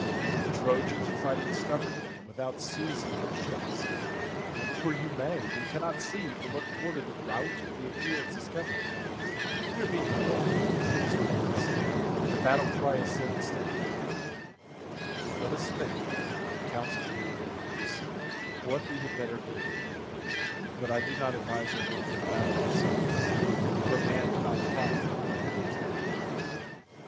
The Trojans are fighting stubbornly and without ceasing at the ships; look where you may you cannot see from what quarter the rout of the Achaeans is coming; they are being killed in a confused mass and the battle cry ascends to heaven; let us think, if counsel can be of any use, what we had better do; but I do not advise our going into battle ourselves, for a man cannot fight when he is wounded."